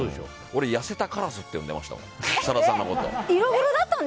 俺、痩せたカラスって呼んでいましたもん。